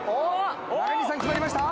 中西さん決まりました。